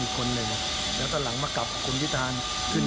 สิบหน้าได้ข่าวว่าพี่ก็มีส่วนในการช่วย